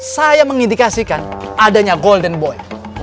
saya mengindikasikan adanya golden boy